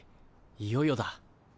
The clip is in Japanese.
いよいよだ。